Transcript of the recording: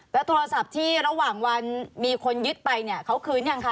แล้วโทรศัพท์ที่ระหว่างวันมีคนยึดไปเนี่ยเขาคืนยังคะ